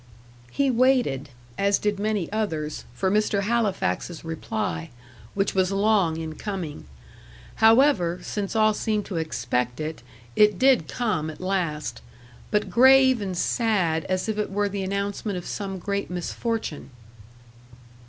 He waited as did many others, for Mr. Halifax's reply; which was long in coming. However, since all seemed to expect it, it did come at last; but grave and sad as if it were the announcement of some great misfortune.